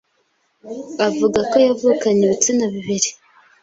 avuga ko yavukanye ibitsina bibiri